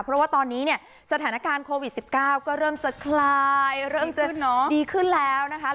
เพราะว่าตอนนี้เนี่ยสถานการณ์โควิด๑๙ก็เริ่มจะคลายเริ่มจะดีขึ้นแล้วนะคะ